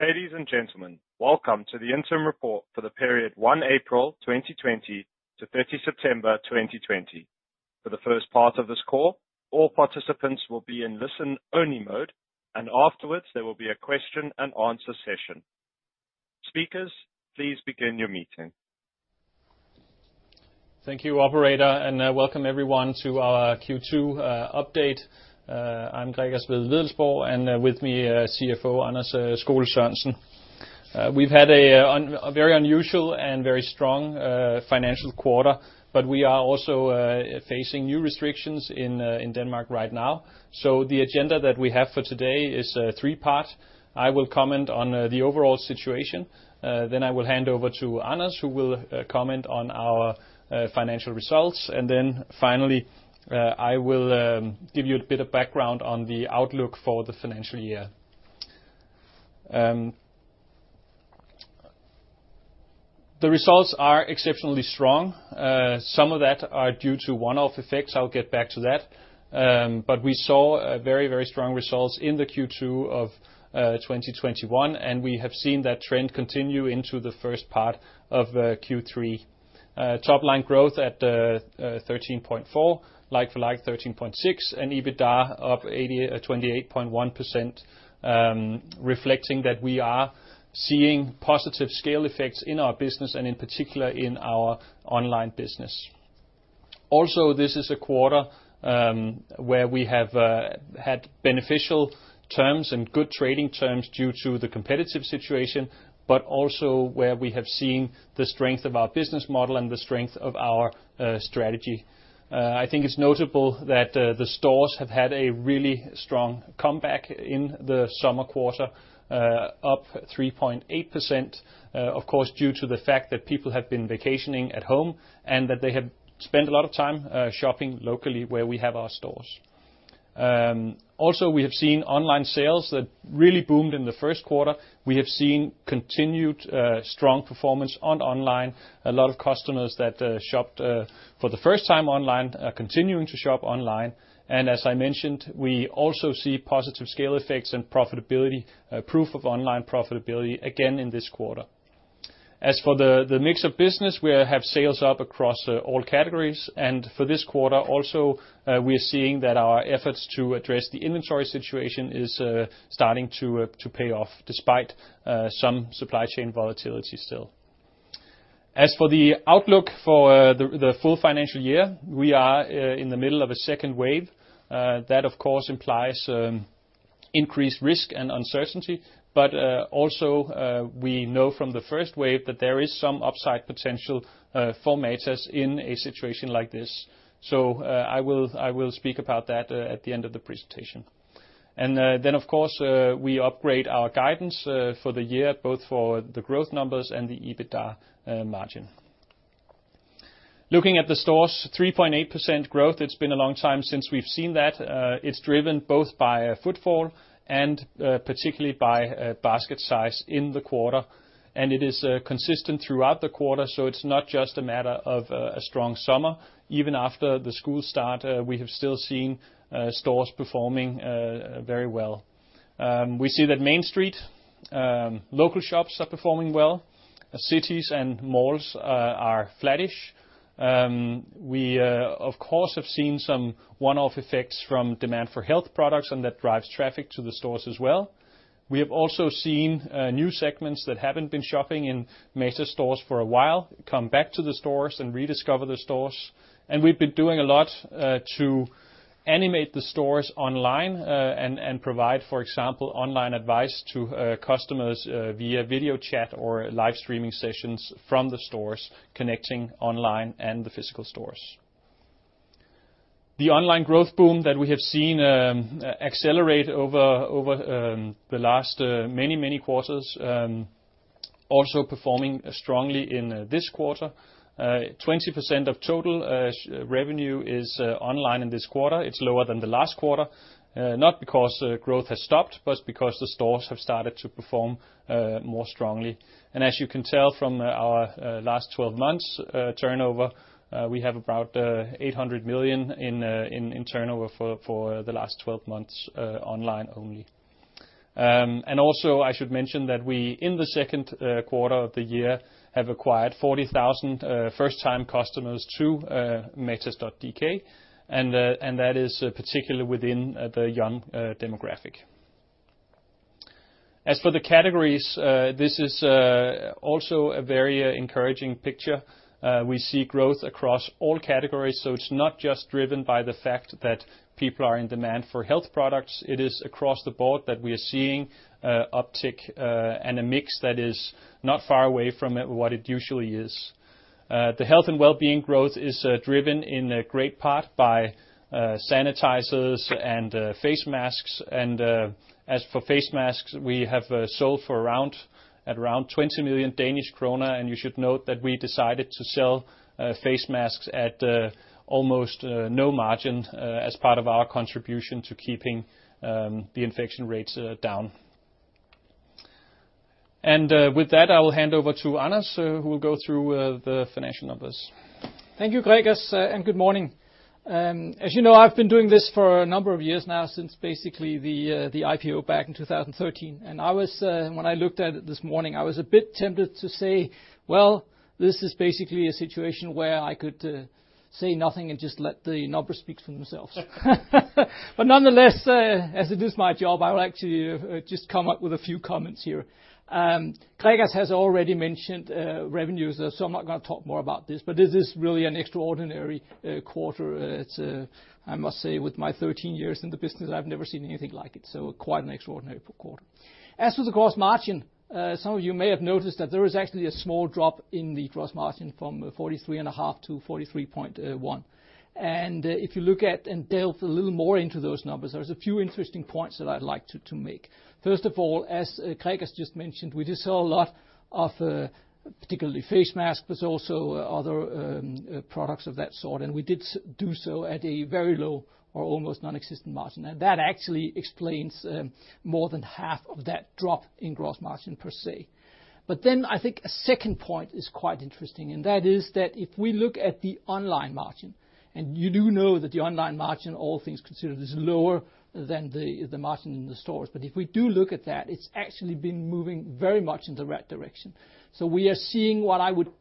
Ladies and gentlemen, welcome to the interim report for the period 1 April, 2020 to 30 September, 2020. For the first part of this call, all participants will be in listen-only mode. Afterwards, there will be a question and answer session. Speakers please begin your meeting. Thank you, operator, and welcome everyone to our Q2 update. I'm Gregers Wedell-Wedellsborg, and with me, CFO Anders Skole-Sørensen. We've had a very unusual and very strong financial quarter. We are also facing new restrictions in Denmark right now. The agenda that we have for today is three-part. I will comment on the overall situation. I will hand over to Anders, who will comment on our financial results. Finally, I will give you a bit of background on the outlook for the financial year. The results are exceptionally strong. Some of that are due to one-off effects. I'll get back to that. We saw very strong results in the Q2 of 2021, and we have seen that trend continue into the first part of Q3. Topline growth at 13.4, like-for-like 13.6, and EBITDA up 28.1%, reflecting that we are seeing positive scale effects in our business, and in particular, in our online business. Also, this is a quarter where we have had beneficial terms and good trading terms due to the competitive situation, but also where we have seen the strength of our business model and the strength of our strategy. I think it's notable that the stores have had a really strong comeback in the summer quarter, up 3.8%, of course, due to the fact that people have been vacationing at home and that they have spent a lot of time shopping locally where we have our stores. Also, we have seen online sales that really boomed in the first quarter. We have seen continued strong performance on online. A lot of customers that shopped for the first time online are continuing to shop online. As I mentioned, we also see positive scale effects and profitability, proof of online profitability again in this quarter. As for the mix of business, we have sales up across all categories, and for this quarter also, we're seeing that our efforts to address the inventory situation is starting to pay off despite some supply chain volatility still. As for the outlook for the full financial year, we are in the middle of a second wave. That, of course, implies increased risk and uncertainty, but also we know from the first wave that there is some upside potential for Matas in a situation like this. I will speak about that at the end of the presentation. Of course, we upgrade our guidance for the year, both for the growth numbers and the EBITDA margin. Looking at the stores, 3.8% growth. It's been a long time since we've seen that. It's driven both by footfall and particularly by basket size in the quarter, and it is consistent throughout the quarter, so it's not just a matter of a strong summer. Even after the school start, we have still seen stores performing very well. We see that main street local shops are performing well. Cities and malls are flattish. We, of course, have seen some one-off effects from demand for health products, and that drives traffic to the stores as well. We have also seen new segments that haven't been shopping in Matas stores for a while come back to the stores and rediscover the stores. We've been doing a lot to animate the stores online and provide, for example, online advice to customers via video chat or live streaming sessions from the stores connecting online and the physical stores. The online growth boom that we have seen accelerate over the last many quarters also performing strongly in this quarter. 20% of total revenue is online in this quarter. It's lower than the last quarter, not because growth has stopped, but because the stores have started to perform more strongly. As you can tell from our last 12 months turnover, we have about 800 million in turnover for the last 12 months online only. Also, I should mention that we, in the second quarter of the year, have acquired 40,000 first-time customers through matas.dk, and that is particularly within the young demographic. As for the categories, this is also a very encouraging picture. We see growth across all categories, it's not just driven by the fact that people are in demand for health products. It is across the board that we are seeing uptick and a mix that is not far away from what it usually is. The health and wellbeing growth is driven in great part by sanitizers and face masks. As for face masks, we have sold for around 20 million Danish kroner, and you should note that we decided to sell face masks at almost no margin as part of our contribution to keeping the infection rates down. With that, I will hand over to Anders, who will go through the financial numbers. Thank you, Gregers. Good morning. As you know, I've been doing this for a number of years now, since basically the IPO back in 2013. When I looked at it this morning, I was a bit tempted to say, Well, this is basically a situation where I could say nothing and just let the numbers speak for themselves. Nonetheless, as it is my job, I will actually just come up with a few comments here. Gregers has already mentioned revenues, I'm not going to talk more about this, it is really an extraordinary quarter. I must say, with my 13 years in the business, I've never seen anything like it, quite an extraordinary quarter. As for the gross margin, some of you may have noticed that there is actually a small drop in the gross margin from 43.5%-43.1%. If you look at and delve a little more into those numbers, there's a few interesting points that I'd like to make. First of all, as Gregers just mentioned, we just saw a lot of particularly face masks, but also other products of that sort, and we did do so at a very low or almost nonexistent margin. That actually explains more than half of that drop in gross margin per se. Then I think a second point is quite interesting, and that is that if we look at the online margin, and you do know that the online margin, all things considered, is lower than the margin in the stores, but if we do look at that, it's actually been moving very much in the right direction. We are seeing what I would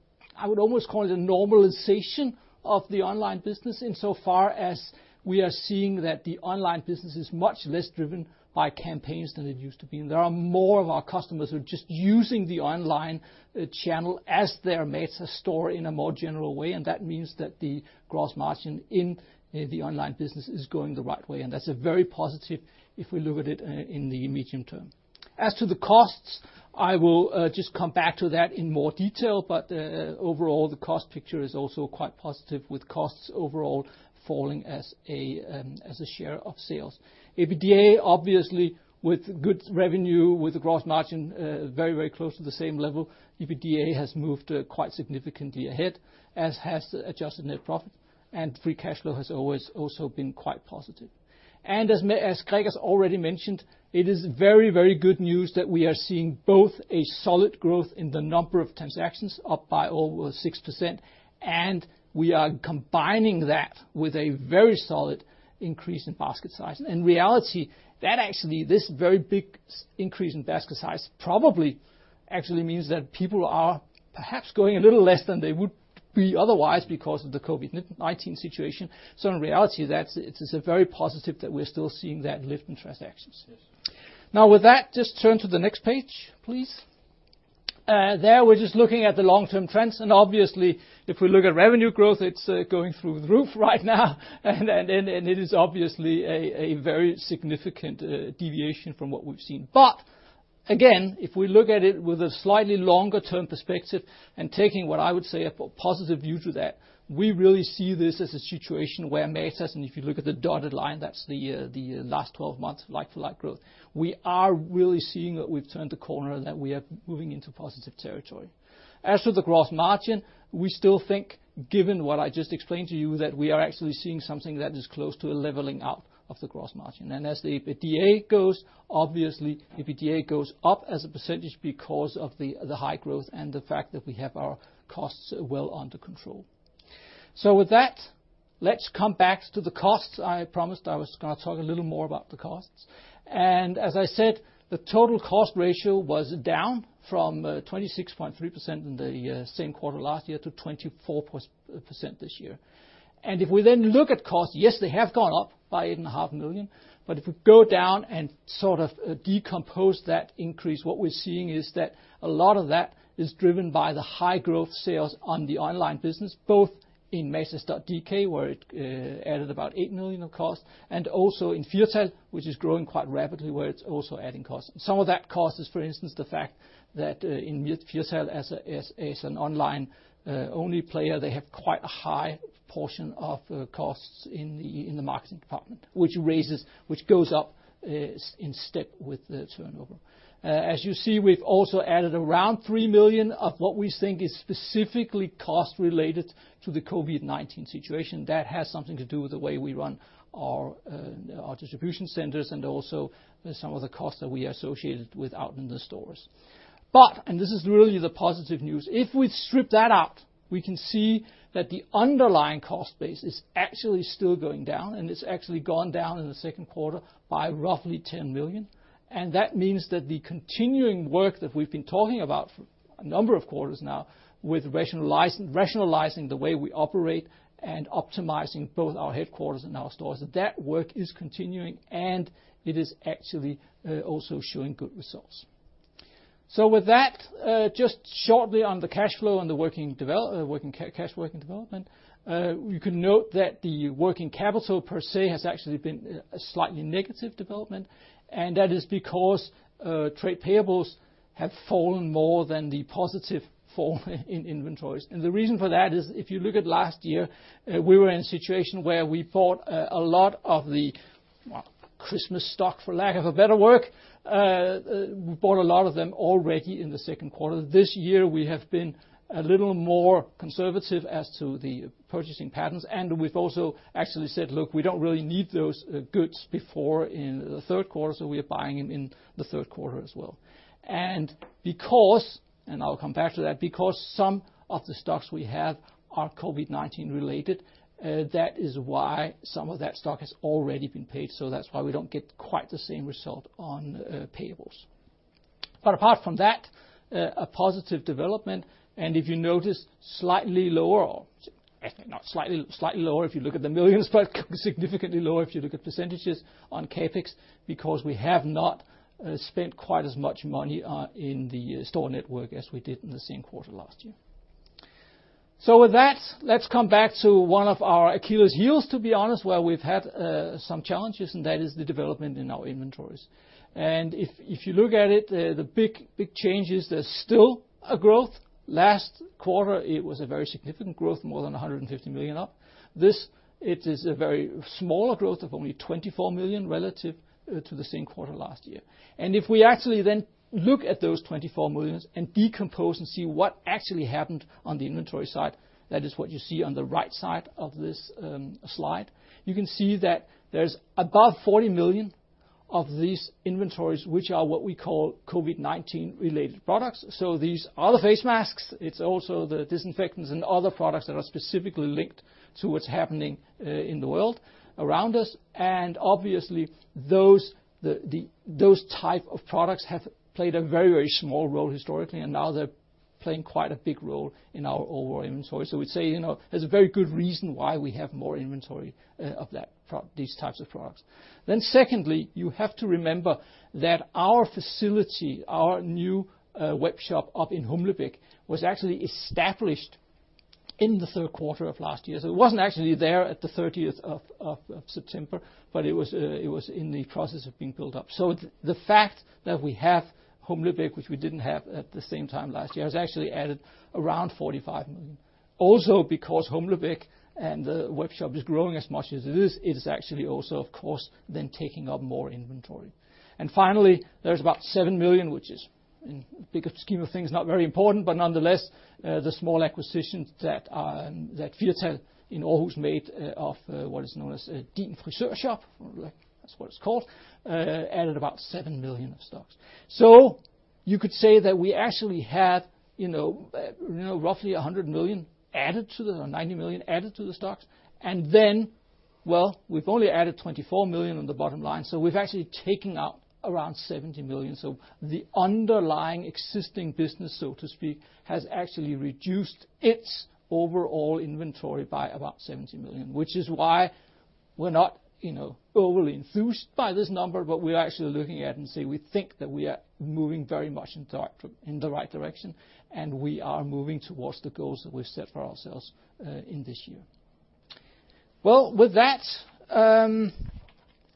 almost call the normalization of the online business insofar as we are seeing that the online business is much less driven by campaigns than it used to be. There are more of our customers who are just using the online channel as their Matas store in a more general way, and that means that the gross margin in the online business is going the right way. That's very positive if we look at it in the medium term. As to the costs, I will just come back to that in more detail. Overall, the cost picture is also quite positive, with costs overall falling as a share of sales. EBITDA, obviously, with good revenue, with the gross margin very close to the same level, EBITDA has moved quite significantly ahead, as has the adjusted net profit. Free cash flow has always also been quite positive. As Gregers already mentioned, it is very good news that we are seeing both a solid growth in the number of transactions, up by over 6%, and we are combining that with a very solid increase in basket size. In reality, this very big increase in basket size probably actually means that people are perhaps going a little less than they would be otherwise because of the COVID-19 situation. In reality, it's very positive that we're still seeing that lift in transactions. Now, with that, just turn to the next page, please. There, we're just looking at the long-term trends, and obviously, if we look at revenue growth, it's going through the roof right now. It is obviously a very significant deviation from what we've seen. Again, if we look at it with a slightly longer-term perspective and taking what I would say a positive view to that, we really see this as a situation where Matas, and if you look at the dotted line, that's the last 12 months like-for-like growth. We are really seeing that we've turned the corner, that we are moving into positive territory. As for the gross margin, we still think, given what I just explained to you, that we are actually seeing something that is close to a leveling out of the gross margin. As the EBITDA goes, obviously, EBITDA goes up as a percentage because of the high growth and the fact that we have our costs well under control. With that, let's come back to the costs. I promised I was going to talk a little more about the costs. As I said, the total cost ratio was down from 26.3% in the same quarter last year to 24% this year. If we then look at costs, yes, they have gone up by 8.5 million, but if we go down and sort of decompose that increase, what we're seeing is that a lot of that is driven by the high-growth sales on the online business, both in matas.dk, where it added about 8 million of cost, and also in Firtal, which is growing quite rapidly, where it's also adding cost. Some of that cost is, for instance, the fact that in Firtal, as an online-only player, they have quite a high portion of costs in the marketing department, which goes up in step with the turnover. As you see, we've also added around 3 million of what we think is specifically cost related to the COVID-19 situation. That has something to do with the way we run our distribution centers and also some of the costs that we associated with out in the stores. This is really the positive news, if we strip that out, we can see that the underlying cost base is actually still going down, and it's actually gone down in the second quarter by roughly 10 million. That means that the continuing work that we've been talking about for a number of quarters now with rationalizing the way we operate and optimizing both our headquarters and our stores, that work is continuing, and it is actually also showing good results. With that, just shortly on the cash flow and the cash working development, you can note that the working capital per se has actually been a slightly negative development, and that is because trade payables have fallen more than the positive fall in inventories. The reason for that is if you look at last year, we were in a situation where we bought a lot of the Christmas stock, for lack of a better word. We bought a lot of them already in the second quarter. This year, we have been a little more conservative as to the purchasing patterns, we've also actually said, Look, we don't really need those goods before in the third quarter, so we are buying them in the third quarter as well. I'll come back to that, because some of the stocks we have are COVID-19 related. That is why some of that stock has already been paid. That's why we don't get quite the same result on payables. Apart from that, a positive development, and if you notice, slightly lower, or actually not slightly lower if you look at the millions, but significantly lower if you look at percentages on CapEx, because we have not spent quite as much money in the store network as we did in the same quarter last year. With that, let's come back to one of our Achilles' heels, to be honest, where we've had some challenges, and that is the development in our inventories. If you look at it, the big changes, there's still a growth. Last quarter, it was a very significant growth, more than 150 million up. This, it is a very smaller growth of only 24 million relative to the same quarter last year. If we actually then look at those 24 million and decompose and see what actually happened on the inventory side, that is what you see on the right side of this slide. You can see that there's above 40 million of these inventories, which are what we call COVID-19-related products. These are the face masks. It's also the disinfectants and other products that are specifically linked to what's happening in the world around us. Obviously, those type of products have played a very, very small role historically, and now they're playing quite a big role in our overall inventory. We'd say, there's a very good reason why we have more inventory of these types of products. Secondly, you have to remember that our facility, our new webshop up in Humlebæk was actually established in the third quarter of last year. It wasn't actually there at the 30th of September, but it was in the process of being built up. The fact that we have Humlebæk, which we didn't have at the same time last year, has actually added around 45 million. Because Humlebæk and the webshop is growing as much as it is, it is actually also, of course, then taking up more inventory. Finally, there's about 7 million, which is, in the bigger scheme of things, not very important, but nonetheless, the small acquisition that Firtal in Aarhus made of what is known as Din Frisør Shop, that's what it's called, added about 7 million of stocks. You could say that we actually had roughly 100 million added to the or 90 million added to the stocks. Then, well, we've only added 24 million on the bottom line. We've actually taken out around 70 million. The underlying existing business, so to speak, has actually reduced its overall inventory by about 70 million, which is why we're not overly enthused by this number, but we're actually looking at it and saying we think that we are moving very much in the right direction, and we are moving towards the goals that we've set for ourselves in this year. With that,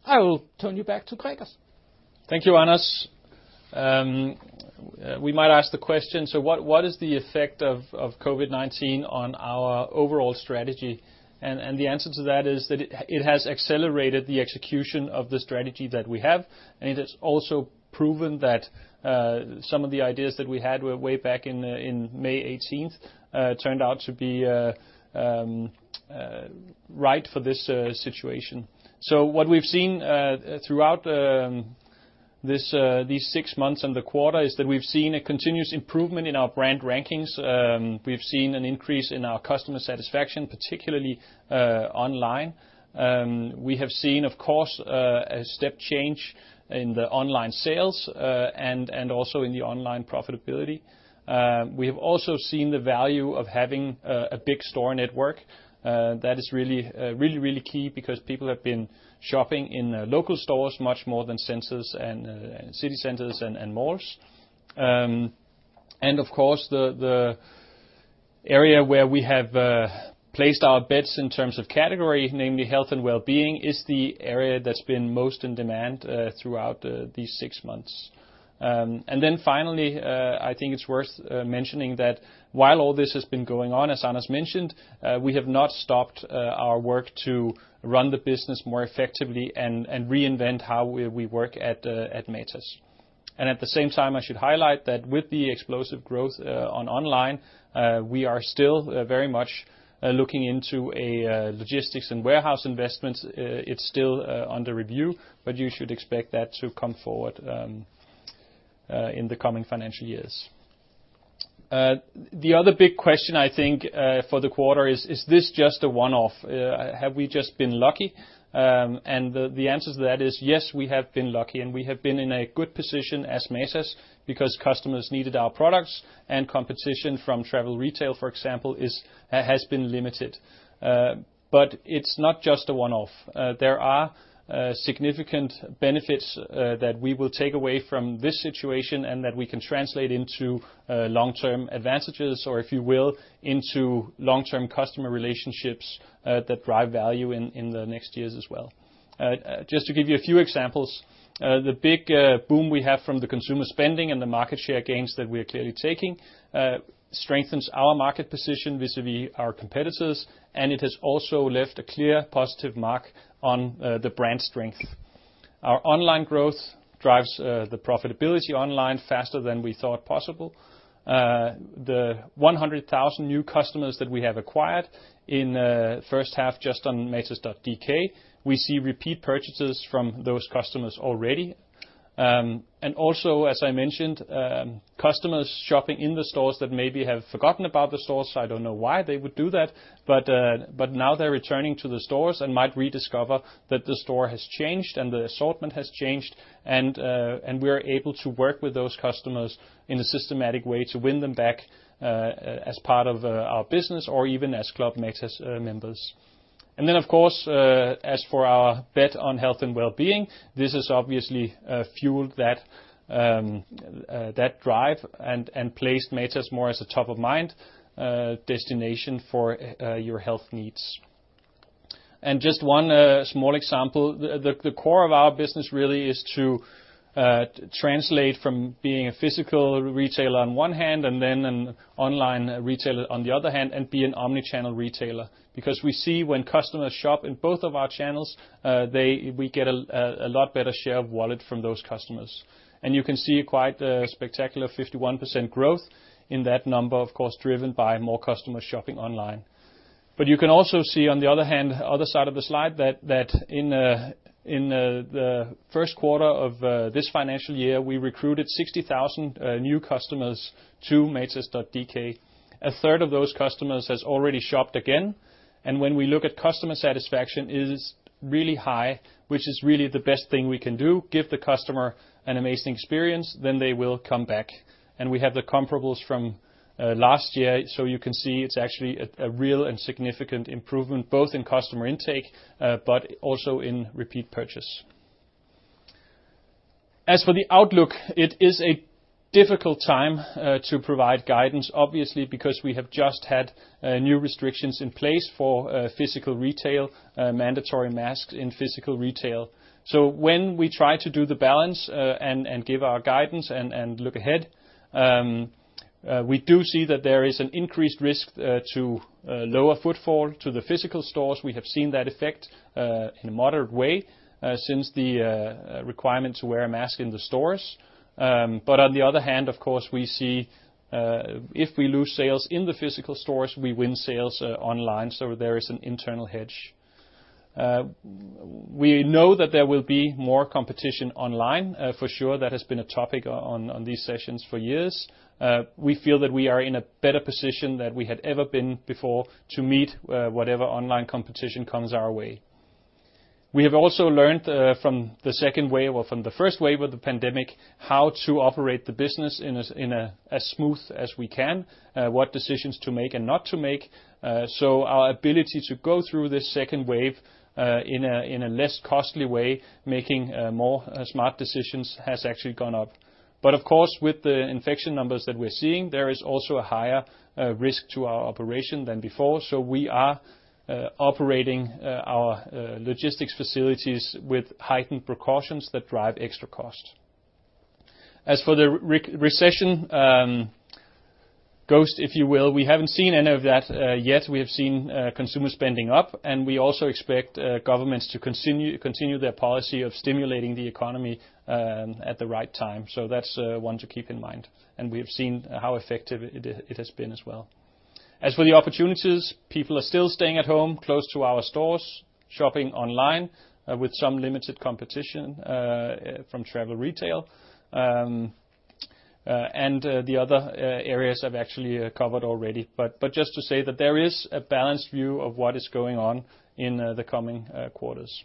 I will turn you back to Gregers. Thank you, Anders. We might ask the question, so what is the effect of COVID-19 on our overall strategy? The answer to that is that it has accelerated the execution of the strategy that we have, and it has also proven that some of the ideas that we had way back in May 2018 turned out to be right for this situation. What we've seen throughout these six months and the quarter is that we've seen a continuous improvement in our brand rankings. We've seen an increase in our customer satisfaction, particularly online. We have seen, of course, a step change in the online sales and also in the online profitability. We have also seen the value of having a big store network. That is really, really key because people have been shopping in local stores much more than city centers and malls. Of course, the area where we have placed our bets in terms of category, namely health and wellbeing, is the area that's been most in demand throughout these six months. Finally, I think it's worth mentioning that while all this has been going on, as Anders mentioned, we have not stopped our work to run the business more effectively and reinvent how we work at Matas. At the same time, I should highlight that with the explosive growth on online, we are still very much looking into a logistics and warehouse investment. It's still under review, but you should expect that to come forward in the coming financial years. The other big question, I think, for the quarter is this just a one-off? Have we just been lucky? The answer to that is yes, we have been lucky, and we have been in a good position as Matas because customers needed our products and competition from travel retail, for example, has been limited. It's not just a one-off. There are significant benefits that we will take away from this situation and that we can translate into long-term advantages, or if you will, into long-term customer relationships that drive value in the next years as well. Just to give you a few examples, the big boom we have from the consumer spending and the market share gains that we are clearly taking strengthens our market position vis-à-vis our competitors, and it has also left a clear positive mark on the brand strength. Our online growth drives the profitability online faster than we thought possible. The 100,000 new customers that we have acquired in the first half just on matas.dk, we see repeat purchases from those customers already. Also, as I mentioned, customers shopping in the stores that maybe have forgotten about the stores. I don't know why they would do that, now they're returning to the stores and might rediscover that the store has changed and the assortment has changed and we are able to work with those customers in a systematic way to win them back, as part of our business or even as Club Matas members. Of course, as for our bet on health and wellbeing, this has obviously fueled that drive and placed Matas more as a top-of-mind destination for your health needs. Just one small example, the core of our business really is to translate from being a physical retailer on one hand and then an online retailer on the other hand, and be an omnichannel retailer. We see when customers shop in both of our channels, we get a lot better share of wallet from those customers. You can see quite a spectacular 51% growth in that number, of course, driven by more customers shopping online. You can also see, on the other hand, other side of the slide, that in the first quarter of this financial year, we recruited 60,000 new customers to matas.dk. A third of those customers has already shopped again, and when we look at customer satisfaction, it is really high, which is really the best thing we can do, give the customer an amazing experience, then they will come back. We have the comparables from last year, so you can see it's actually a real and significant improvement, both in customer intake, but also in repeat purchase. As for the outlook, it is a difficult time to provide guidance, obviously, because we have just had new restrictions in place for physical retail, mandatory masks in physical retail. When we try to do the balance and give our guidance and look ahead, we do see that there is an increased risk to lower footfall to the physical stores. We have seen that effect in a moderate way since the requirement to wear a mask in the stores. On the other hand, of course, we see if we lose sales in the physical stores, we win sales online. There is an internal hedge. We know that there will be more competition online for sure. That has been a topic on these sessions for years. We feel that we are in a better position than we had ever been before to meet whatever online competition comes our way. We have also learned from the second wave or from the first wave of the pandemic, how to operate the business in as smooth as we can, what decisions to make and not to make. Our ability to go through this second wave in a less costly way, making more smart decisions has actually gone up. Of course, with the infection numbers that we're seeing, there is also a higher risk to our operation than before. We are operating our logistics facilities with heightened precautions that drive extra cost. As for the recession ghost, if you will, we haven't seen any of that yet. We have seen consumer spending up, and we also expect governments to continue their policy of stimulating the economy at the right time. That's one to keep in mind, and we have seen how effective it has been as well. As for the opportunities, people are still staying at home close to our stores, shopping online with some limited competition from travel retail, and the other areas I've actually covered already. Just to say that there is a balanced view of what is going on in the coming quarters.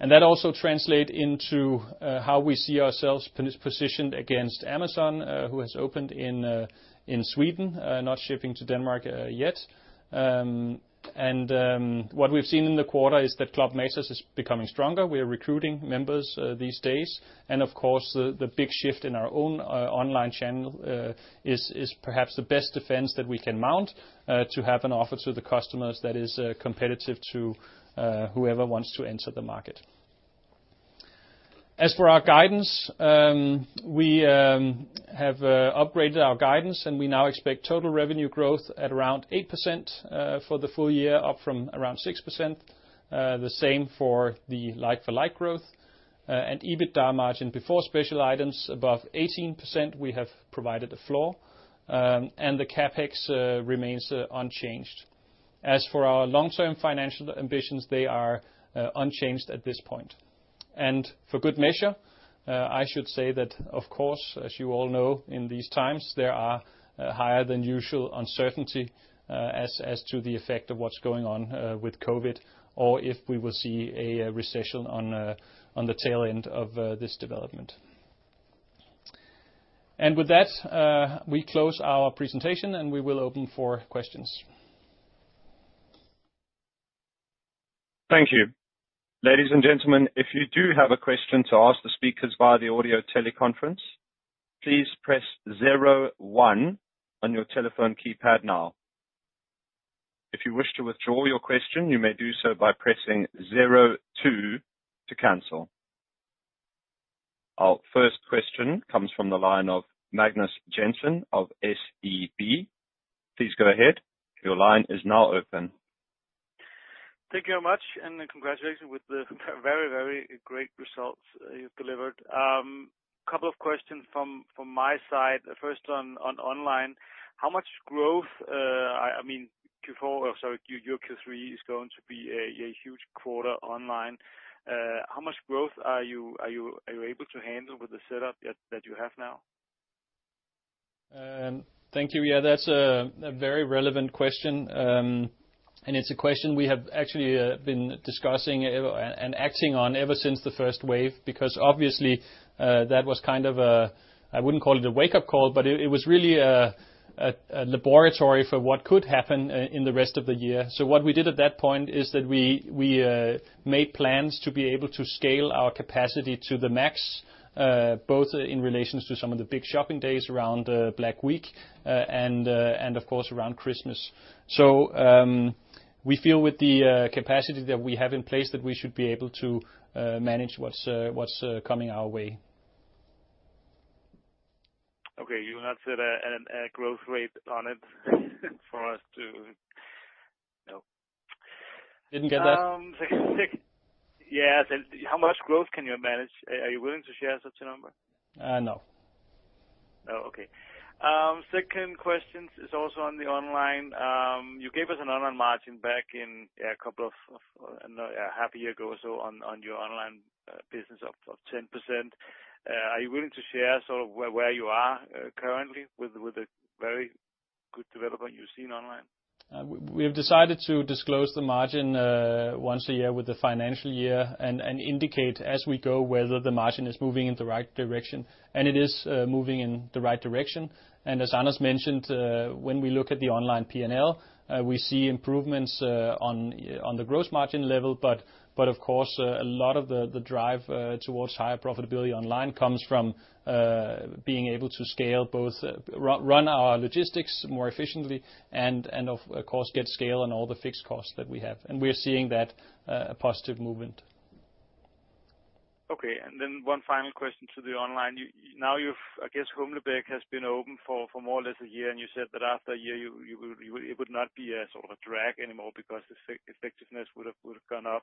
That also translate into how we see ourselves positioned against Amazon, who has opened in Sweden, not shipping to Denmark yet. What we've seen in the quarter is that Club Matas is becoming stronger. We are recruiting members these days, of course, the big shift in our own online channel is perhaps the best defense that we can mount, to have an offer to the customers that is competitive to whoever wants to enter the market. As for our guidance, we have upgraded our guidance, we now expect total revenue growth at around 8% for the full-year, up from around 6%. The same for the like-for-like growth and EBITDA margin before special items above 18%, we have provided the floor, the CapEx remains unchanged. As for our long-term financial ambitions, they are unchanged at this point. For good measure, I should say that of course, as you all know, in these times, there are higher than usual uncertainty, as to the effect of what's going on with COVID, or if we'll see a recession on the tail end of this development. With that, we close our presentation, and we will open for questions. Thank you. Ladies and gentlemen, if you do have a question to ask the speakers via the audio teleconference, please press zero one on your telephone keypad now. If you wish to withdraw your question, you may do so by pressing zero two to cancel. Our first question comes from the line of Magnus Jensen of SEB. Please go ahead. Your line is now open. Thank you very much, and congratulations with the very great results you've delivered. Couple of questions from my side. First on online, how much growth, I mean, your Q3 is going to be a huge quarter online. How much growth are you able to handle with the setup that you have now? Thank you. Yeah, that's a very relevant question. It's a question we have actually been discussing and acting on ever since the first wave, because obviously, that was kind of a, I wouldn't call it a wake-up call, but it was really a laboratory for what could happen in the rest of the year. What we did at that point is that we made plans to be able to scale our capacity to the max, both in relations to some of the big shopping days around Black Week, and of course, around Christmas. We feel with the capacity that we have in place, that we should be able to manage what's coming our way. Okay. You have set a growth rate on it for us to No. Didn't get that. Yeah. How much growth can you manage? Are you willing to share such a number? No. Oh, okay. Second question is also on the online. You gave us an online margin back half a year ago or so on your online business of 10%. Are you willing to share sort of where you are currently with the very good development you've seen online? We've decided to disclose the margin once a year with the financial year and indicate as we go whether the margin is moving in the right direction, and it is moving in the right direction. As Anders mentioned, when we look at the online P&L, we see improvements on the gross margin level, but of course, a lot of the drive towards higher profitability online comes from being able to scale both, run our logistics more efficiently and of course, get scale on all the fixed costs that we have. We're seeing that positive movement. Okay. Then one final question to the online. Now, I guess Humlebæk has been open for more or less a year, and you said that after a year, it would not be a sort of a drag anymore because effectiveness would have gone up.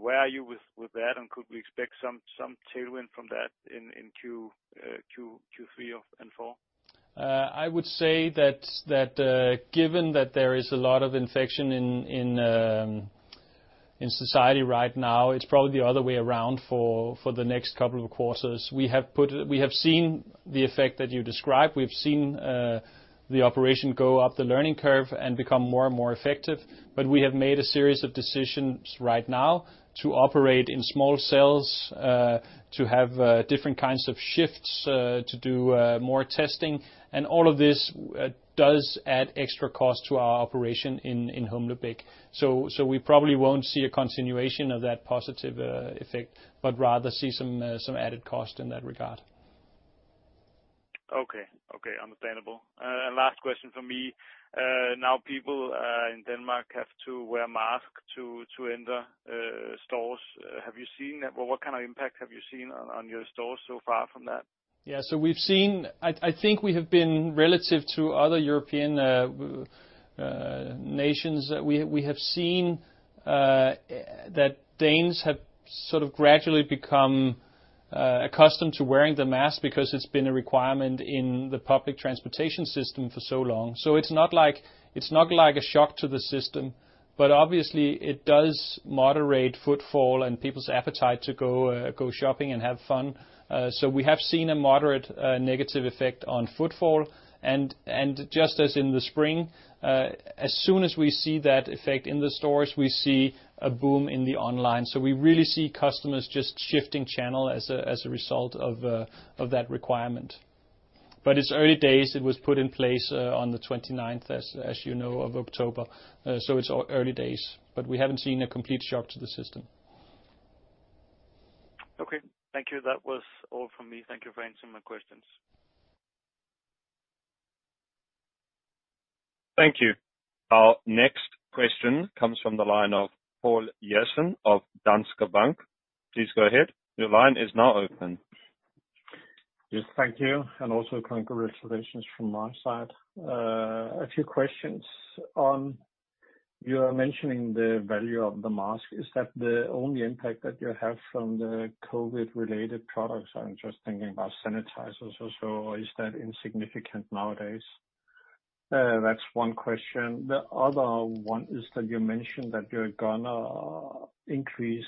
Where are you with that, and could we expect some tailwind from that in Q3 and Q4? I would say that given that there is a lot of infection in society right now, it's probably the other way around for the next couple of quarters. We have seen the effect that you described. We've seen the operation go up the learning curve and become more and more effective. We have made a series of decisions right now to operate in small cells, to have different kinds of shifts, to do more testing, and all of this does add extra cost to our operation in Humlebæk. We probably won't see a continuation of that positive effect, but rather see some added cost in that regard. Okay. Understandable. Last question from me. Now people in Denmark have to wear a mask to enter stores. What kind of impact have you seen on your stores so far from that? Yeah. I think we have been relative to other European nations, we have seen that Danes have sort of gradually become accustomed to wearing the mask because it's been a requirement in the public transportation system for so long. It's not like a shock to the system, but obviously it does moderate footfall and people's appetite to go shopping and have fun. We have seen a moderate negative effect on footfall, and just as in the spring, as soon as we see that effect in the stores, we see a boom in the online. We really see customers just shifting channel as a result of that requirement. It's early days. It was put in place on the 29th, as you know, of October, so it's early days, but we haven't seen a complete shock to the system. Okay. Thank you. That was all from me. Thank you for answering my questions. Thank you. Our next question comes from the line of Poul Jessen of Danske Bank. Please go ahead. Your line is now open. Yes. Thank you. Also congratulations from my side. A few questions on, you are mentioning the value of the mask. Is that the only impact that you have from the COVID-related products? I'm just thinking about sanitizers also, or is that insignificant nowadays? That's one question. The other one is that you mentioned that you're gonna increase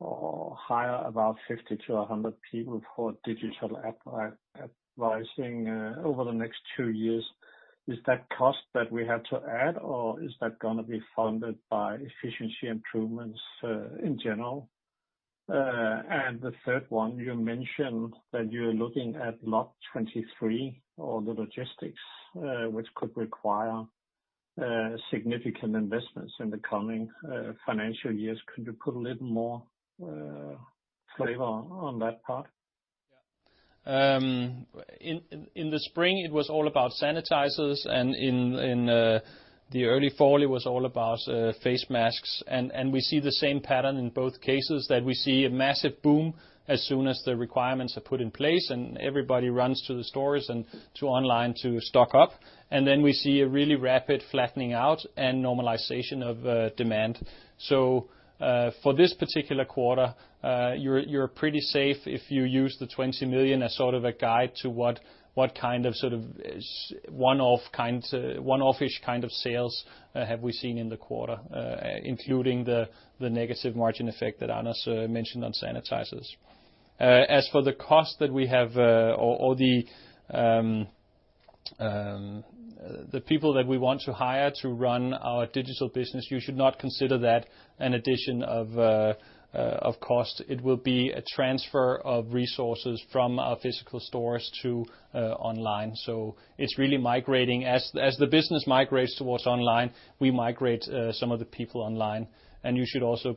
or hire about 50-100 people for digital advising over the next two years. Is that cost that we have to add or is that going to be funded by efficiency improvements in general? The third one, you mentioned that you're looking at LOG23 or the logistics, which could require significant investments in the coming financial years. Could you put a little more flavor on that part? Yeah. In the spring, it was all about sanitizers, and in the early fall was all about face masks. We see the same pattern in both cases, that we see a massive boom as soon as the requirements are put in place, and everybody runs to the stores and to online to stock up. We see a really rapid flattening out and normalization of demand. For this particular quarter, you're pretty safe if you use the 20 million as sort of a guide to what kind of one-off-ish kind of sales have we seen in the quarter, including the negative margin effect that Anders mentioned on sanitizers. As for the cost that we have or the people that we want to hire to run our digital business, you should not consider that an addition of cost. It will be a transfer of resources from our physical stores to online. It's really migrating. As the business migrates towards online, we migrate some of the people online. You should also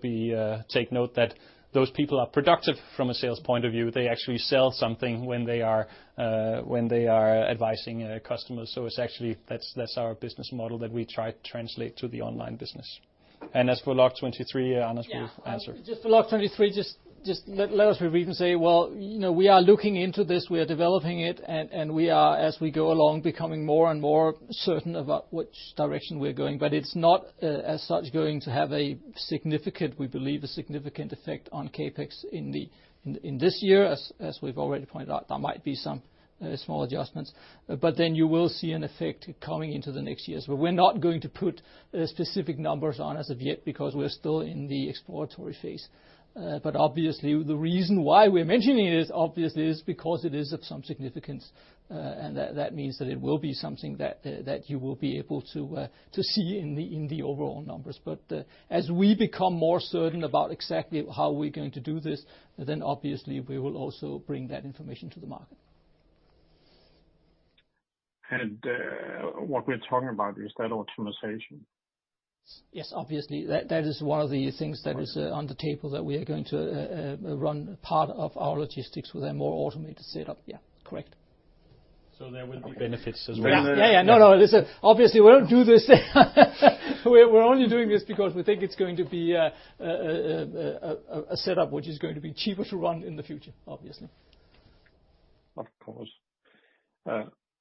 take note that those people are productive from a sales point of view. They actually sell something when they are advising customers. That's our business model that we try to translate to the online business. As for LOG23, Anders will answer. Just for LOG23, just let us repeat and say, well, we are looking into this, we are developing it, and we are, as we go along, becoming more and more certain about which direction we're going. It's not as such going to have, we believe, a significant effect on CapEx in this year. As we've already pointed out, there might be some small adjustments. Then you will see an effect coming into the next years. We're not going to put specific numbers on as of yet because we're still in the exploratory phase. Obviously, the reason why we're mentioning it is obviously is because it is of some significance, and that means that it will be something that you will be able to see in the overall numbers. As we become more certain about exactly how we're going to do this, then obviously we will also bring that information to the market. What we're talking about is that optimization? Yes, obviously, that is one of the things that is on the table that we are going to run part of our logistics with a more automated setup. Yeah. Correct. There will be benefits as well. Yeah. No, listen, obviously, we won't do this we're only doing this because we think it's going to be a setup which is going to be cheaper to run in the future, obviously. Of course.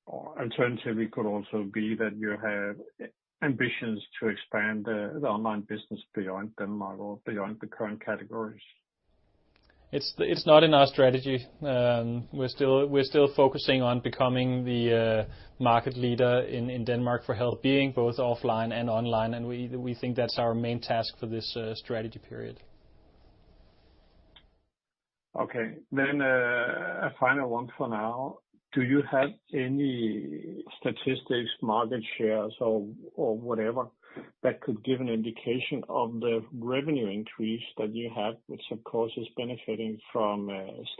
Alternatively, it could also be that you have ambitions to expand the online business beyond Denmark or beyond the current categories. It's not in our strategy. We're still focusing on becoming the market leader in Denmark for health and wellbeing, both offline and online, and we think that's our main task for this strategy period. Okay. A final one for now. Do you have any statistics, market shares or whatever that could give an indication of the revenue increase that you have, which of course is benefiting from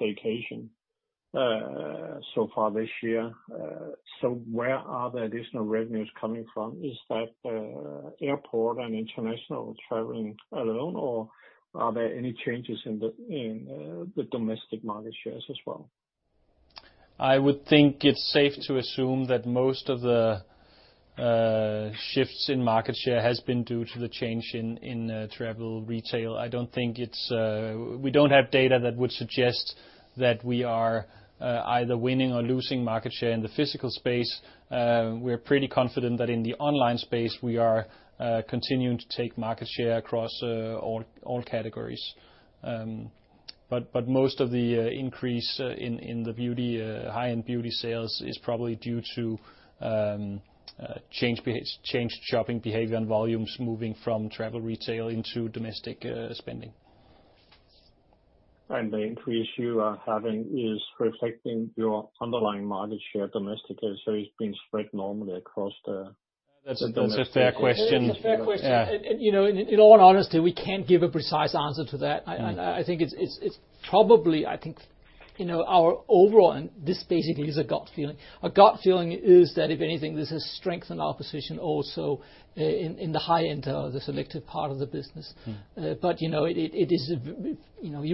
staycation so far this year? Where are the additional revenues coming from? Is that airport and international traveling alone, or are there any changes in the domestic market shares as well? I would think it's safe to assume that most of the shifts in market share has been due to the change in travel retail. We don't have data that would suggest that we are either winning or losing market share in the physical space. We're pretty confident that in the online space, we are continuing to take market share across all categories. Most of the increase in the high-end beauty sales is probably due to changed shopping behavior and volumes moving from travel retail into domestic spending. The increase you are having is reflecting your underlying market share domestically, so it's being spread normally across. That's a fair question. That is a fair question. Yeah. In all honesty, we can't give a precise answer to that. I think our overall, and this basically is a gut feeling. A gut feeling is that if anything, this has strengthened our position also in the high-end or the selective part of the business. You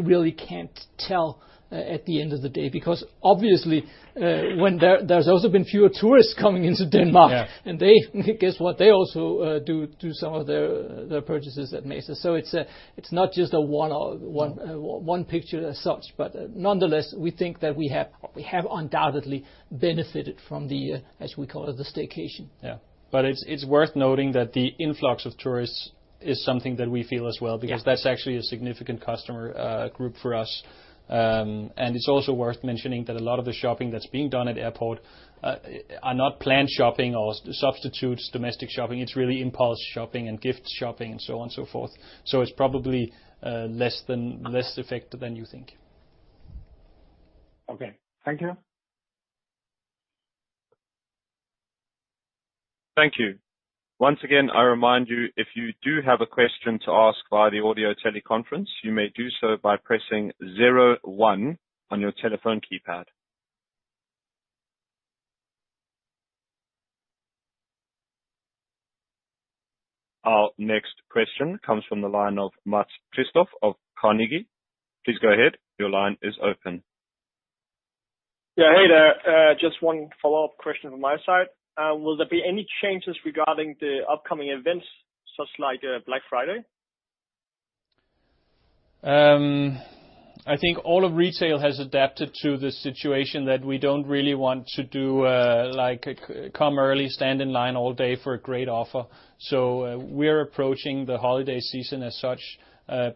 really can't tell at the end of the day, because obviously there's also been fewer tourists coming into Denmark. Yeah. Guess what? They also do some of their purchases at Matas. It's not just a one picture as such, but nonetheless, we think that we have undoubtedly benefited from the, as we call it, the staycation. Yeah. It's worth noting that the influx of tourists is something that we feel as well. Yeah because that's actually a significant customer group for us. It's also worth mentioning that a lot of the shopping that's being done at airport are not planned shopping or substitutes domestic shopping. It's really impulse shopping and gift shopping and so on and so forth. It's probably less affected than you think. Okay. Thank you. Thank you. Once again i remind you if you do have a question to ask by the audio tele conference you may do so by pressing zero one on your telephone keypad. Our next question comes from the line of Mads Quistgaard of Carnegie. Yeah. Hey there. Just one follow-up question from my side. Will there be any changes regarding the upcoming events, such as Black Friday? I think all of retail has adapted to the situation that we don't really want to do like a come early, stand in line all day for a great offer. We're approaching the holiday season as such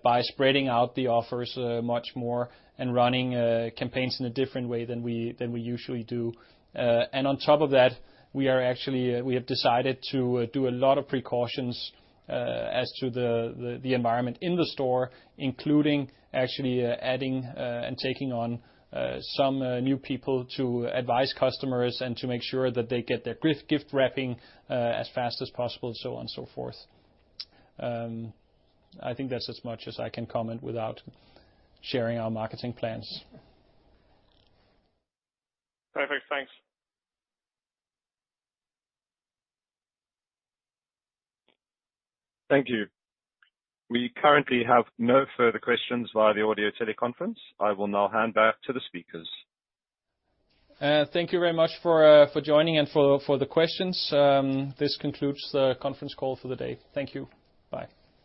by spreading out the offers much more and running campaigns in a different way than we usually do. On top of that, we have decided to do a lot of precautions as to the environment in the store, including actually adding and taking on some new people to advise customers and to make sure that they get their gift wrapping as fast as possible, so on, so forth. I think that's as much as I can comment without sharing our marketing plans. Perfect. Thanks. Thank you. We currently have no further questions via the audio teleconference. I will now hand back to the speakers. Thank you very much for joining and for the questions. This concludes the conference call for the day. Thank you. Bye.